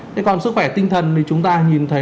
thế còn sức khỏe tinh thần thì chúng ta nhìn thấy